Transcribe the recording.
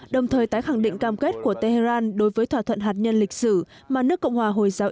đồng thời tái khẳng định cam kết của tehran đối với thỏa thuận hạt nhân lịch sử mà nước cộng hòa hồi giáo